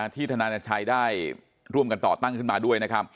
ธนาชัยได้ร่วมกันต่อตั้งขึ้นมาด้วยนะครับ